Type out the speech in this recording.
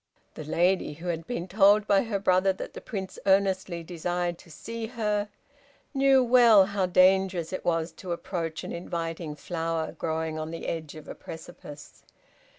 The lady, who had been told by her brother that the Prince earnestly desired to see her, knew well how dangerous it was to approach an inviting flower growing on the edge of a precipice.